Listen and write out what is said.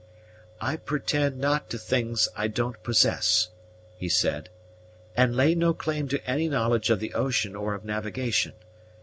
"I pretend not to things I don't possess," he said, "and lay no claim to any knowledge of the ocean or of navigation.